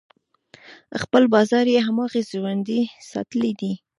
خپل بازار یې هماغسې ژوندی ساتلی دی.